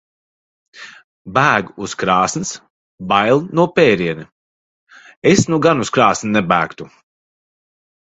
Bēg uz krāsns. Bail no pēriena. Es nu gan uz krāsni nebēgtu.